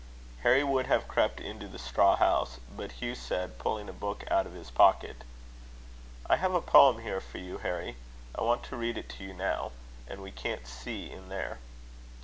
Harry would have crept into the straw house; but Hugh said, pulling a book out of his pocket, "I have a poem here for you, Harry. I want to read it to you now; and we can't see in there."